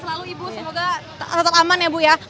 terima kasih ibu sehat selalu ibu semoga aman ya bu ya